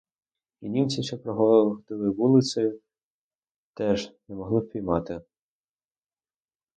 І німці, що проходили вулицею, теж не могли впіймати.